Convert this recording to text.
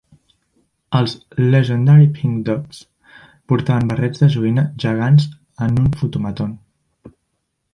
Els Legendary Pink Dots portaven barrets de joguina gegants en un fotomaton.